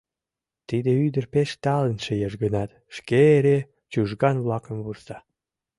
Тиде ӱдыр пеш талын шиеш гынат, шке эре Чужган-влакым вурса: